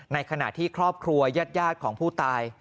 ในขณะที่ครอบครัวยาดของผู้ตาย